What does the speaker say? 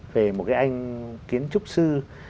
về một cái anh kiến trúc sư